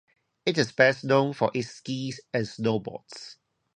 It is best known for its skis and snowboards.